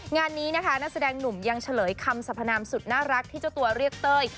งานนี้นะคะนักแสดงหนุ่มยังเฉลยคำสัพพนามสุดน่ารักที่เจ้าตัวเรียกเต้ย